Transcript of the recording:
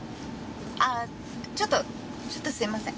あちょっとちょっとすみません。